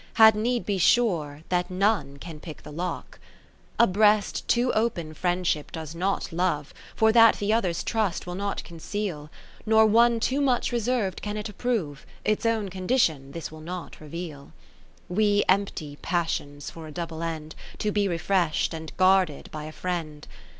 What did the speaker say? Had need be sure that none can pick the lock. Kath ert7te Philips VIII A breast too open Friendship does not love, For that the other's trust will not conceal ; Nor one too much reserv'd can it approve, Its own condition this will not reveal. We empty passions for a double end, To be refresh'd and guarded by a friend.